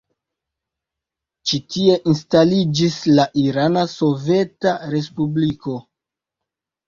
Ĉi-tie instaliĝis la Irana Soveta Respubliko.